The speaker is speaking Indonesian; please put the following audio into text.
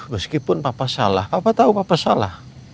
meskipun papa salah apa tahu papa salah